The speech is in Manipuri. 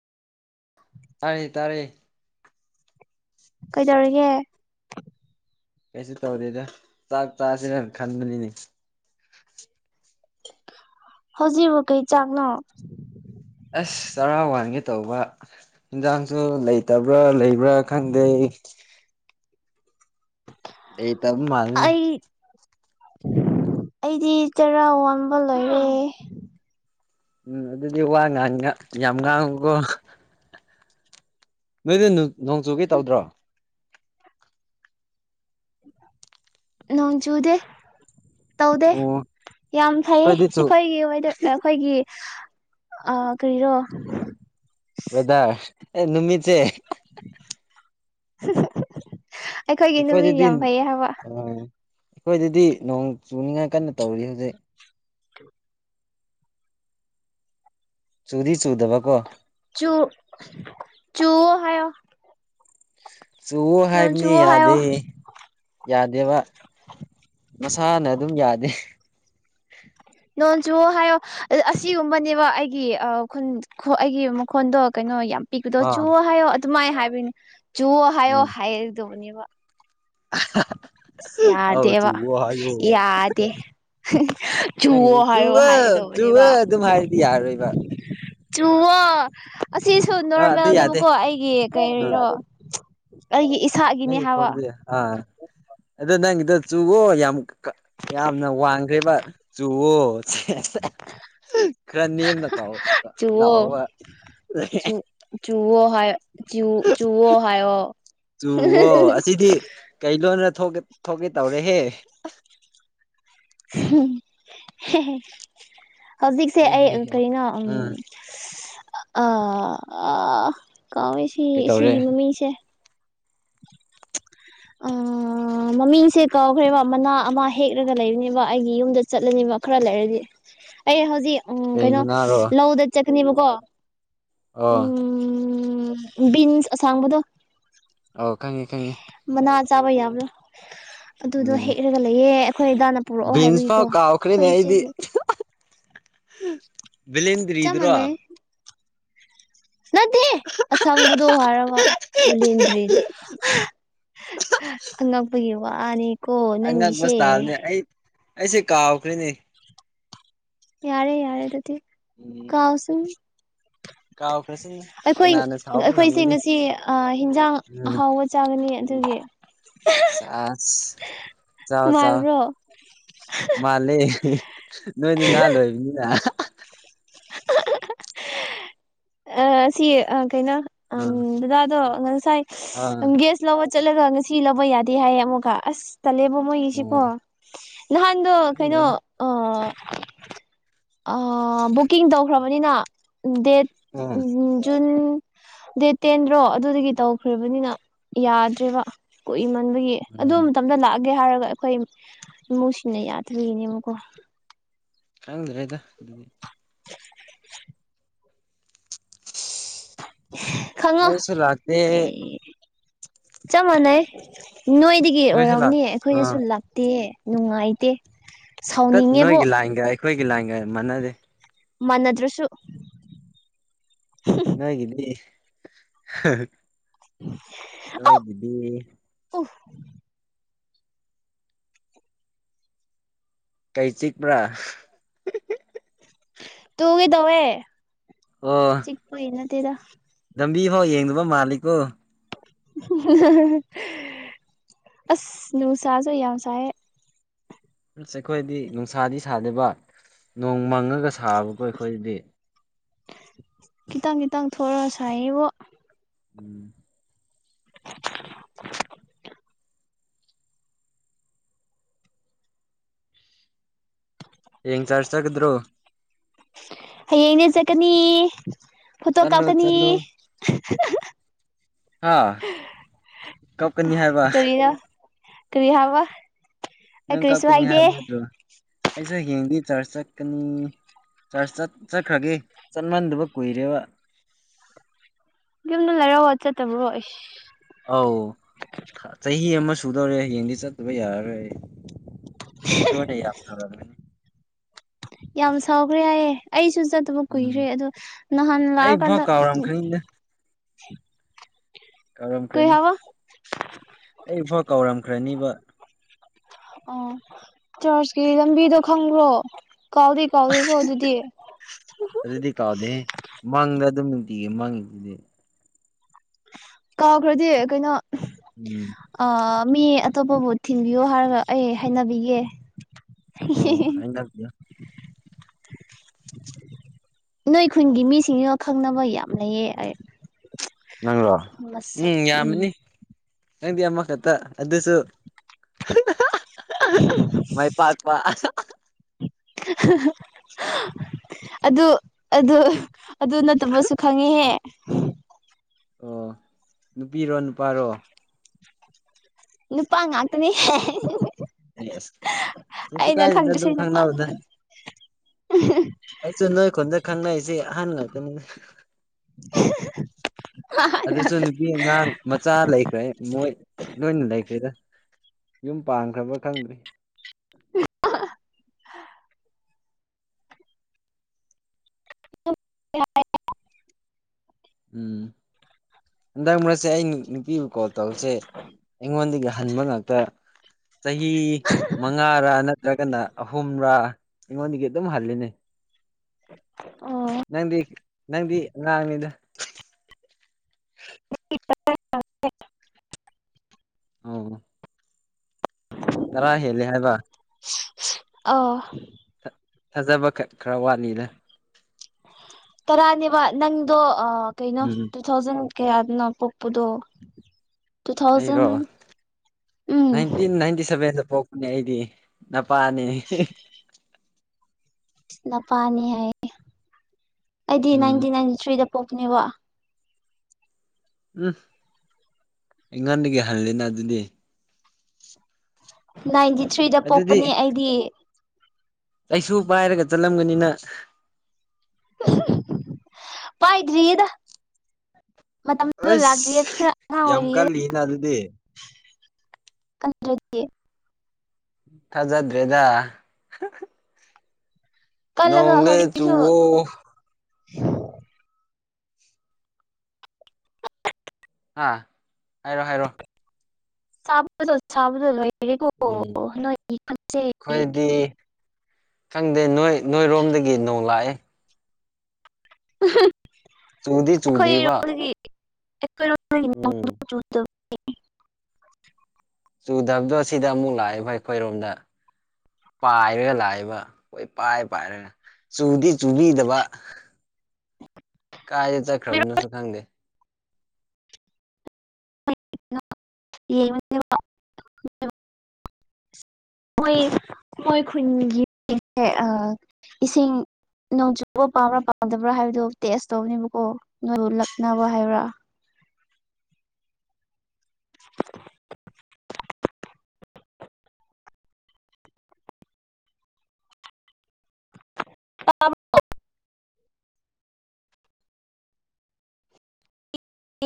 [inaudible] ꯇꯥꯔꯦ ꯇꯥꯔꯦ ꯀꯩꯗꯧꯔꯤꯒꯦ ꯀꯩꯁꯨ ꯇꯧꯗꯦꯗ ꯆꯥꯛ ꯆꯥꯁꯤꯔꯅ ꯈꯟꯕꯅꯤꯅꯦ ꯍꯧꯖꯤꯛꯕꯨ ꯀꯩ ꯆꯥꯛꯅꯣ ꯑꯁ ꯆꯔꯥ ꯋꯥꯟꯒꯦ ꯇꯧꯕ ꯏꯟꯖꯥꯡꯁꯨ ꯂꯩꯇꯕ꯭ꯔꯥ ꯂꯩꯕ꯭ꯔꯥ ꯈꯪꯗꯦ ꯑꯩꯇꯕ ꯃꯥꯜ ꯑꯩ ꯑꯩꯗꯤ ꯆꯔꯥ ꯋꯥꯟꯕ ꯂꯣꯏꯔꯦ ꯎꯝ ꯑꯗꯨꯗꯤ ꯋꯥ ꯉꯥꯡꯉ ꯌꯥꯝ ꯉꯥꯡꯉꯨꯀꯣ ꯅꯣꯏꯗ ꯅꯨ ꯅꯣꯡ ꯆꯨꯒꯦ ꯇꯧꯗ꯭ꯔꯣ ꯅꯣꯡ ꯆꯨꯗꯦ ꯇꯧꯗꯦ ꯑꯣ ꯌꯥꯝ ꯐꯩꯌꯦ ꯑꯩꯈꯣꯏꯗꯤ ꯆꯨ ꯑꯩꯈꯣꯏꯒꯤ ꯋꯦꯗꯔ ꯑꯦ ꯑꯈꯣꯏꯒꯤ ꯑꯥ ꯀꯔꯤꯔꯣ ꯋꯦꯗꯔ ꯑꯦ ꯅꯨꯃꯤꯠꯖꯦ ꯑꯩꯈꯣꯏꯒꯤ ꯅꯨꯃꯤꯠ ꯌꯥꯝ ꯐꯩꯌꯦ ꯍꯥꯏꯕ ꯎꯝ ꯍꯣꯏꯗꯨꯗꯤ ꯅꯣꯡ ꯆꯨꯅꯤꯡꯉꯥꯏ ꯀꯟꯅ ꯇꯧꯔꯤ ꯍꯧꯖꯤꯛ ꯆꯨꯗꯤ ꯆꯨꯗꯕꯀꯣ ꯆꯨ ꯆꯨꯋꯣ ꯍꯥꯏꯌꯣ ꯆꯨꯋꯣ ꯅꯣꯡ ꯍꯥꯏꯕꯅꯤ ꯆꯨꯋꯣ ꯍꯥꯏꯌꯣ ꯌꯥꯗꯦ ꯌꯥꯗꯦꯕ ꯃꯁꯥꯅ ꯑꯗꯨꯝ ꯌꯥꯗꯦ ꯅꯣꯟ ꯆꯨꯋꫭ ꯍꯥꯏꯌꯣ ꯑꯗꯨ ꯑꯁꯤꯒꯨꯝꯕꯅꯦꯕ ꯑꯩꯒꯤ ꯑꯥ ꯈꯨꯟ ꯈꯣ ꯑꯩꯒꯤ ꯃꯈꯣꯟꯗꯣ ꯀꯩꯅꯣ ꯌꯥꯝ ꯄꯤꯛꯄꯗꯣ ꯑꯥ ꯆꯨꯋꫭ ꯍꯥꯏꯌꯣ ꯑꯗꯨꯃꯥꯏ ꯍꯥꯏꯕꯩꯅꯦ ꯆꯨꯋꫭ ꯍꯥꯏꯌꯣ ꯎꯝ ꯍꯥꯏꯗꯧꯅꯦꯕ [unintelligible] ꯑꯧ ꯌꯗꯦꯕꯥ ꯆꯨꯋꯣ ꯍꯥꯏꯌꯣ ꯌꯥꯗꯦ ꯅꯪ ꯆꯨꯋꯣ ꯁꯨ ꯍꯥꯏꯌꯣ ꯍꯥꯏꯒꯗꯧꯕꯅꯦꯕ ꯆꯨꯍꯨꯏ ꯑꯗꯨꯝ ꯍꯥꯏꯔꯗꯤ ꯌꯥꯔꯣꯏꯕ ꯆꯨꯉꯣ ꯑꯁꯤꯁꯨ ꯑꯥ ꯑꯗꯨ ꯌꯥꯗꯦ ꯅꯣꯔꯃꯦꯜꯅꯦꯕꯀꯣ ꯑꯩꯒꯤ ꯑꯥ ꯀꯩꯔꯤꯔꯣ ꯑꯩꯒꯤ ꯏꯁꯥꯒꯤꯅꯦ ꯍꯥꯏꯋꯥ ꯑ ꯑꯗ ꯅꯪꯒꯤꯗꯣ ꯆꯨꯒꯣ ꯌꯥꯝ ꯀ ꯌꯥꯝꯅ ꯋꯥꯡꯒ꯭ꯔꯦꯕ ꯆꯨꯋꯣ ꯈꯔ ꯅꯦꯝꯅ ꯀꯥꯎꯑꯣ ꯆꯨꯋꯣ ꯂꯥꯛꯑꯣꯕ ꯆꯨ ꯆꯨꯋꯣ ꯍꯥꯏ ꯆꯨ ꯆꯨꯑꯣ ꯍꯥꯏꯌꯣ ꯆꯨꯋꯣ ꯑꯁꯤꯗꯤ ꯀꯩ ꯂꯣꯟꯅꯊꯣꯛꯀꯦ ꯇꯧꯔꯦꯍꯦ ꯍꯧꯖꯤꯛꯁꯦ ꯍꯦ ꯑꯩ ꯍꯦ ꯑ ꯍꯦ ꯀꯩꯅꯣ ꯑꯝ ꯎꯝ ꯑꯥ ꯑ ꯀꯥꯎꯋꯦ ꯁꯤ ꯀꯩꯇꯧꯔꯦ ꯁꯤꯒꯤ ꯃꯃꯤꯁꯦ ꯑ ꯑꯥ ꯃꯃꯤꯡꯁꯦ ꯀꯧꯈ꯭ꯔꯦꯕ ꯃꯅꯥ ꯑꯃ ꯍꯦꯛꯂꯒ ꯂꯩꯕꯅꯦꯕ ꯑꯩꯒꯤ ꯌꯨꯝꯗ ꯆꯠꯂꯅꯦꯕ ꯈꯔ ꯂꯩꯔꯗꯤ ꯑꯩ ꯍꯧꯖꯤꯛ ꯎꯝ ꯀꯩ ꯀꯩꯅꯣ ꯃꯅꯥꯔꯣ ꯂꯧꯗ ꯆꯠꯀꯅꯦꯕꯀꯣ ꯑꯣ ꯎꯝ ꯕꯤꯟꯁ ꯑꯁꯥꯡꯕꯗꯣ ꯑꯣ ꯈꯪꯉꯤ ꯈꯪꯉꯤ ꯃꯅꯥ ꯆꯥꯕ ꯌꯥꯕ꯭ꯔꯥ ꯑꯗꯨꯗꯣ ꯎꯝ ꯍꯦꯛꯔꯒ ꯂꯩꯑꯦ ꯑꯩꯈꯣꯏ ꯗꯥꯅ ꯄꯨꯔꯛꯑꯣ ꯕꯤꯟꯁ ꯍꯥꯏꯕꯒꯤꯀꯣ ꯐꯥꯎ ꯀꯥꯎꯈ꯭ꯔꯦꯅꯦ ꯑꯩꯈꯣꯏ ꯏꯆꯦꯒꯤ ꯕꯤꯂꯦꯟꯗ꯭ꯔꯤ ꯆꯞ ꯑꯗꯨꯔꯣ ꯃꯥꯟꯅꯩ ꯅꯠꯇꯦ ꯑꯁꯪꯕꯗꯣ ꯍꯥꯏꯔꯒ ꯕꯤꯂꯦꯟꯗ꯭ꯔꯤꯗ ꯑꯉꯛꯄꯒꯤ ꯋꯥꯅꯤ ꯑꯉꯛꯄ ꯁꯇꯥꯏꯜꯅꯦ ꯑꯩ ꯑꯩꯁꯦ ꯀꯥꯎꯈ꯭ꯔꯦꯅꯦ ꯌꯥꯔꯦ ꯌꯥꯔꯦ ꯑꯗꯨꯗꯤ ꯎꯝ ꯀꯥꯎ ꯁꯨꯝ ꯀꯥꯎꯈ꯭ꯔꯁꯅꯨ ꯑꯩꯈꯣꯏ ꯀꯅꯥꯅ ꯁꯥꯎꯕ ꯑꯩꯈꯣꯏꯁꯦ ꯉꯝꯒꯅꯤ ꯉꯁꯤ ꯑꯥ ꯍꯤꯟꯖꯥꯡ ꯎꯝ ꯑꯍꯥꯎ ꯆꯒꯅꯤ ꯑꯗꯨꯒꯤ ꯁꯥꯥꯁ ꯆꯥꯎ ꯆꯥꯎ ꯅꯨꯡꯉꯥꯏꯕ꯭ꯔꯣ ꯃꯥꯜꯂꯦ ꯅꯣꯏꯗꯤ ꯉꯥ ꯂꯣꯏꯕꯅꯤꯅ ꯑꯁꯤ ꯑꯥ ꯀꯩꯅꯣ ꯑꯝ ꯑꯥ ꯗꯥꯗꯗꯣ ꯉꯁꯥꯏ ꯑꯥ ꯑꯪꯒꯦꯁ ꯂꯧꯕ ꯆꯠꯂꯒ ꯉꯁꯤ ꯂꯧꯕ ꯌꯥꯗꯦ ꯍꯥꯏꯌꯦ ꯑꯃꯨꯛꯀ ꯑꯁ ꯇꯜꯂꯦꯕꯣ ꯃꯣꯏꯒꯤꯁꯤꯀꯣ ꯎꯝ ꯅꯍꯥꯟꯗꯣ ꯀꯩꯅꯣ ꯈꯪꯗ꯭ꯔꯦꯗ ꯑꯣ ꯑꯥ ꯕꯨꯀꯤꯡ ꯇꯧꯈ꯭ꯔꯕꯅꯤꯅ ꯗꯦꯠ ꯎꯝ [unintelligible] ꯖꯨꯟ ꯗꯦꯠ ꯇꯦꯟꯗ꯭ꯔꯣ ꯑꯗꯨꯗꯒꯤ ꯇꯧꯈ꯭ꯔꯕꯅꯤꯅ ꯌꯥꯗ꯭ꯔꯦꯕ ꯀꯨꯏꯃꯟꯕꯒꯤ ꯑꯗꯨ ꯎꯝ ꯃꯇꯝꯗ ꯂꯥꯛꯑꯒꯦ ꯍꯥꯏꯔꯒ ꯑꯩꯈꯣꯏ ꯏꯃꯨꯡꯁꯤꯡꯅ ꯌꯥꯗꯔꯤꯅꯦꯕꯀꯣ ꯈꯪꯗ꯭ꯔꯦꯗ ꯑꯗꯨꯗꯤ ꯈꯪꯉꯣ ꯃꯩꯁꯨ ꯂꯥꯛꯇꯦ ꯀꯔꯤ ꯆꯞ ꯃꯥꯟꯅꯩ ꯅꯣꯏꯗꯒꯤ ꯅꯣꯏꯁꯨ ꯂꯥꯛ ꯑꯣꯏꯔꯝꯅꯦ ꯑꯥ ꯑꯩꯈꯣꯏꯗꯁꯨ ꯂꯥꯛ ꯗꯤꯑꯦ ꯅꯨꯡꯉꯥꯏꯇꯦ ꯇꯠ ꯁꯥꯎꯅꯤꯡꯉꯦꯕꯨ ꯅꯣꯏꯒꯤ ꯂꯥꯏꯟꯒ ꯑꯩꯈꯣꯏꯒꯤ ꯂꯥꯏꯟꯒ ꯃꯥꯟꯅꯗꯦ ꯃꯥꯟꯅꯥꯗ꯭ꯔꯥꯁꯨ ꯍꯨ ꯅꯣꯏꯒꯤꯗꯤ ꯍꯥꯍ ꯅꯣꯏꯒꯤꯗꯤ ꯑꯣ ꯀꯩ ꯆꯤꯛꯄ꯭ꯔꯥ ꯇꯨꯒꯦ ꯇꯧꯋꯦ ꯍꯣ ꯆꯤꯛꯄꯩ ꯅꯠꯇꯦꯗ ꯂꯝꯕꯤ ꯐꯥꯎ ꯌꯦꯡꯗꯕ ꯃꯥꯜꯂꯤꯀꯣ ꯑꯁ ꯅꯨꯡꯁꯥꯁꯨ ꯌꯥꯝ ꯁꯥꯏꯌꯦ ꯑꯁ ꯑꯩꯈꯣꯏꯗꯤ ꯅꯨꯡꯁꯥꯗꯤ ꯁꯥꯗꯦꯕ ꯅꯣꯡ ꯃꯪꯉꯒ ꯁꯥꯕꯀꯣ ꯑꯩꯈꯣꯏꯗꯤ ꯈꯤꯇꯪ ꯈꯤꯇꯪ ꯊꯣꯔꯛꯑ ꯁꯥꯏꯌꯦꯕꯣ ꯎꯝ [unintelligible] ꯍꯌꯦꯡ ꯆꯔꯆ ꯆꯠꯀꯥꯗ꯭ꯔꯣ ꯍꯌꯦꯡꯗꯤ ꯆꯠꯀꯅꯤ ꯐꯣꯇꯣ ꯆꯠꯂꯣ ꯀꯥꯞꯀꯅꯤ ꯆꯠꯂꯣ ꯍꯥ ꯀꯞ ꯀꯅꯤ ꯍꯥꯏ ꯕꯥ ꯀꯔꯤꯔ ꯀꯔꯤ ꯍꯥꯏꯕ ꯑꯩ ꯅꯪ ꯀꯔꯤꯁꯨ ꯀꯥꯞꯀꯅꯤ ꯍꯥꯏꯗꯦ ꯍꯥꯏꯕ ꯅꯠꯇ꯭ꯔꯣ ꯑꯩꯖꯨ ꯍꯌꯦꯡꯗꯤ ꯆꯔꯆ ꯆꯠꯀꯅꯤ ꯆꯔꯆ ꯆꯠ ꯆꯠꯈ꯭ꯔꯒꯦ ꯆꯠꯃꯟꯗꯕ ꯀꯨꯏꯔꯦꯕ ꯌꯨꯝꯗ ꯂꯩꯔꯒ ꯆꯠꯇꯕ꯭ꯔꯣ ꯑꯩꯁ ꯑꯧ ꯆꯍꯤ ꯑꯃ ꯁꯨꯗꯧꯔꯦ ꯍꯌꯦꯡꯗꯤ ꯆꯠꯇꯕ ꯌꯥꯔꯔꯣꯏ ꯑꯩ ꯏꯁꯣꯔꯅ ꯌꯥꯝ ꯁꯥꯎꯔꯝꯒꯅꯤ ꯌꯥꯝ ꯁꯥꯎꯈ꯭ꯔꯦ ꯍꯥꯏꯌꯦ ꯑꯩꯁꯨ ꯆꯠꯇꯕ ꯎꯝ ꯀꯨꯏꯔꯦ ꯑꯗꯣ ꯅꯍꯥꯟ ꯑꯩꯐꯥꯎ ꯂꯥꯛꯑꯀꯥꯟꯗ ꯀꯥꯎꯔꯝꯈ꯭ꯔꯅꯤꯗ ꯀꯔꯤ ꯀꯥꯎꯔꯝꯈ꯭ꯔꯅꯤ ꯍꯥꯏꯕ ꯑꯩꯐꯥꯎ ꯀꯥꯎꯔꯝꯈ꯭ꯔꯅꯤꯕ ꯑꯥ ꯆꯔꯆꯀꯤ ꯂꯝꯕꯤꯗꯣ ꯈꯪꯕ꯭ꯔꯣ ꯀꯥꯎꯗꯤ ꯀꯥꯎꯗꯦꯀꯣ ꯑꯗꯨꯗꯤ ꯑꯗꯨꯗꯤ ꯀꯥꯎꯗꯦꯍꯦ ꯃꯪꯗ ꯑꯗꯨꯝ ꯅꯨꯡꯇꯤꯒꯤ ꯃꯪꯉꯤꯁꯤꯗꯤ ꯀꯥꯎꯈ꯭ꯔꯗꯤ ꯀꯩꯅꯣ ꯎꯝ ꯑꯥ ꯃꯤ ꯑꯇꯣꯞꯄꯕꯨ ꯊꯤꯟꯕꯤꯌꯣ ꯍꯥꯏꯔꯒ ꯑꯩ ꯍꯥꯏꯅꯕꯤꯒꯦ ꯑꯣ ꯍꯦꯍꯦꯍꯦ ꯍꯥꯏꯅꯕꯤꯌꯣ ꯅꯣꯏ ꯈꯨꯟꯒꯤ ꯃꯤꯁꯤꯡꯁꯤꯒ ꯈꯪꯅꯕ ꯌꯥꯝ ꯂꯩꯌꯦ ꯑꯩ ꯅꯪꯔꯣ ꯎꯝ ꯌꯥꯝꯃꯅꯤ ꯅꯪꯗꯤ ꯑꯃꯈꯛꯇ ꯑꯗꯨꯁꯨ ꯃꯥꯏ ꯄꯥꯥꯠꯄ ꯑꯗꯨ ꯑꯗꯨ ꯑꯗꯨ ꯅꯠꯇꯕꯁꯨ ꯈꯪꯉꯦꯍꯦ ꯑꯣ ꯅꯨꯄꯤꯔꯣ ꯅꯨꯄꯥꯔꯣ ꯅꯨꯨꯄꯥ ꯉꯥꯛꯇꯅꯦꯍꯦ ꯑꯦꯁ ꯀꯩꯁꯨ ꯑꯩꯅ ꯀꯥꯏꯗꯦꯗ ꯈꯪꯕꯁꯦ ꯑꯗꯨꯝ ꯈꯪꯅꯕꯗ ꯅꯨꯄꯥꯉꯥꯛ ꯑꯩꯖꯨ ꯅꯣꯏꯈꯨꯟꯗ ꯈꯪꯅꯩꯁꯤ ꯑꯍꯟ ꯉꯥꯛꯇꯅꯤ ꯑꯗꯨꯁꯨ ꯅꯨꯄꯤ ꯑꯉꯥꯡ ꯃꯆꯥ ꯂꯩꯈ꯭ꯔꯦ ꯃꯣꯏ ꯂꯣꯏꯅ ꯂꯩꯈ꯭ꯔꯦꯗ ꯌꯨꯝ ꯄꯥꯟꯈ꯭ꯔꯥꯕ ꯈꯪꯗ꯭ꯔꯤ ꯏ ꯍꯥ ꯎꯝ ꯍꯟꯗꯛ ꯃꯔꯛꯁꯦ ꯑꯩ ꯅꯨꯄꯤꯕꯨ ꯀꯣꯜ ꯇꯧꯕꯁꯦ ꯑꯩꯉꯣꯟꯗꯒꯤ ꯍꯟꯕ ꯉꯥꯛꯇ ꯆꯍꯤ ꯃꯉꯥꯔꯥ ꯅꯠꯇ꯭ꯔꯒꯅ ꯑꯍꯨꯝꯔꯥ ꯑꯩꯉꯣꯟꯗꯒꯤ ꯑꯗꯨꯝ ꯍꯜꯂꯤꯅꯦ ꯑꯣ ꯅꯪꯗꯤ ꯅꯪꯗꯤ ꯑꯉꯥꯡꯅꯤꯗ ꯑꯥꯎ ꯇꯥꯔꯥ ꯍꯦꯂꯦ ꯍꯥꯏꯕ ꯑꯥꯎ ꯊ ꯊꯥꯖꯕ ꯈꯔ ꯈꯔ ꯋꯥꯠꯂꯤꯗ ꯇꯔꯥꯅꯦꯕ ꯅꯪꯗꯣ ꯀꯩꯅꯣ ꯎꯝ ꯇꯨ ꯊꯥꯎꯖꯟ ꯀꯌꯥꯗꯅꯣ ꯄꯣꯛꯄꯗꯣ ꯇꯨ ꯊꯥꯎꯖꯟ ꯑꯩꯔꯣ ꯎꯝ ꯅꯥꯏꯟꯇꯤꯟ ꯅꯥꯏꯟꯇꯤ ꯁꯚꯦꯟꯗ ꯄꯣꯛ ꯄꯅꯦ ꯑꯩꯗꯤ ꯅꯄꯥꯅꯤ ꯅꯄꯥꯅꯤ ꯍꯥꯏꯌꯦ ꯑꯩꯗꯤ ꯎꯝ ꯅꯥꯏꯟꯇꯤꯟ ꯅꯥꯏꯟꯇꯤ ꯊ꯭ꯔꯤꯗ ꯄꯣꯛꯄꯅꯦꯕ ꯎꯝ ꯑꯩꯉꯣꯟꯗꯒꯤ ꯍꯜꯂꯤꯅ ꯑꯗꯨꯗꯤ ꯅꯥꯏꯟꯇꯤ ꯊ꯭ꯔꯤꯗ ꯄꯣꯛꯄꯅꯦ ꯑꯩꯗꯤ ꯆꯩꯁꯨ ꯄꯥꯏꯔꯒ ꯆꯠꯂꯝꯒꯅꯤꯅ ꯄꯥꯏꯗ꯭ꯔꯤꯌꯦꯗ ꯃꯇꯝꯗꯨ ꯂꯥꯥꯛꯇ꯭ꯔꯤꯌꯦ ꯑꯁ ꯈꯔ ꯑꯉꯥꯡ ꯌꯥꯝ ꯑꯣꯏꯔꯤꯌꯦ ꯀꯜꯂꯤꯅ ꯑꯗꯨꯗꯤ ꯀꯟꯗ꯭ꯔꯥꯗꯤ ꯊꯥꯖꯗ꯭ꯔꯦꯗ ꯀꯜꯂꯒ ꯅꯣꯡꯂꯦ ꯍꯧꯖꯤꯛꯁꯨ ꯆꯨꯋꯣ ꯑꯥ ꯍꯥꯏꯔꯣ ꯍꯥꯏꯔꯣ ꯁꯥꯕꯗ ꯁꯥꯕꯗ ꯂꯣꯏꯔꯦꯀꯣ ꯎꯝ ꯅꯣꯏꯒꯤ ꯈꯨꯟꯁꯦ ꯑꯩꯈꯣꯏꯗꯤ ꯈꯪꯗꯦ ꯅꯣꯏ ꯅꯣꯏꯔꯣꯝꯗꯒꯤ ꯅꯣꯡ ꯂꯥꯛꯑꯦ ꯎꯝꯍꯝ ꯆꯨꯗꯤ ꯆꯨꯗꯦꯕꯥ ꯀꯔꯥꯏꯒꯤ ꯅꯣꯡꯅꯣ ꯆꯨ ꯆꯨꯗꯕꯗꯣ ꯁꯤꯗ ꯑꯃꯨꯛ ꯂꯥꯛꯑꯦꯕꯥ ꯑꯩꯈꯣꯏꯔꯣꯝꯗ ꯄꯥꯏꯔꯒ ꯂꯥꯛꯏꯕ ꯀꯣꯏꯄꯥꯏ ꯄꯥꯏꯔꯒ ꯆꯨꯗꯤ ꯆꯨꯕꯤꯗꯕ ꯀꯥꯏꯗ ꯆꯠꯈ꯭ꯔꯕꯅꯣꯁꯨ ꯈꯪꯗꯦ ꯌꯦꯡꯕꯥꯅꯦꯕꯥ ꯃꯣꯏ ꯃꯣꯏ ꯈꯨꯟꯒꯤ ꯏꯁꯤꯡ ꯅꯣꯡ ꯆꯨꯕ ꯄꯥꯝꯕ꯭ꯔꯥ ꯄꯥꯝꯗꯕ꯭ꯔꯥ ꯍꯥꯏꯕꯗꯨꯣ ꯇꯦꯁ ꯇꯧꯕꯅꯦꯕꯀꯣ ꯅꯣꯏꯕꯨ ꯂꯛꯅꯕ ꯍꯥꯏꯕ꯭ꯔꯥ [unintelligible]